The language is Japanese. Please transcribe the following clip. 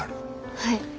はい。